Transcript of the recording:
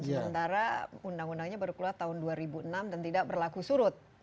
sementara undang undangnya baru keluar tahun dua ribu enam dan tidak berlaku surut